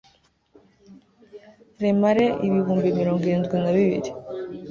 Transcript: remare ibihumbi mirongo irindwi na bibiri